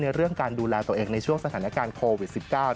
เรื่องการดูแลตัวเองในช่วงสถานการณ์โควิด๑๙